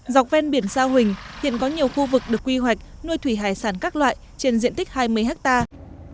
dọc ven biển sa huỳnh hiện có nhiều khu vực được quy hoạch nuôi thủy hải sản các loại trên diện tích hai mươi hectare